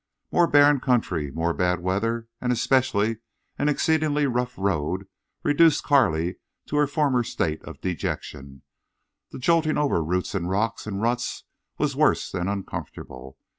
More barren country, more bad weather, and especially an exceedingly rough road reduced Carley to her former state of dejection. The jolting over roots and rocks and ruts was worse than uncomfortable.